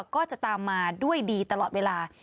ก็จะตามมาด้วยดีตลอดเวลา